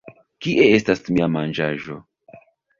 Kie estas mia manĝaĵo?